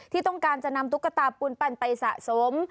ที่ต้องการจะนำตุ๊กตาปูนปันไปสะสม